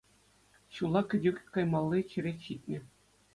Ҫулла кӗтӳ каймалли черет ҫитнӗ.